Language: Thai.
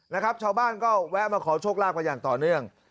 นะครับชาวบ้านก็แวะมาขอโชคลาภมาอย่างต่อเนื่อง